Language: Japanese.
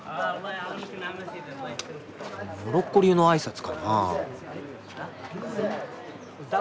モロッコ流の挨拶かな。